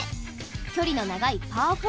距離の長いパー４。